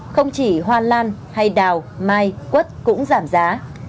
không chỉ hoa lan hay đào mai quất cũng giảm giá